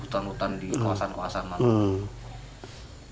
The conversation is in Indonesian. hutan hutan di kawasan kawasan mana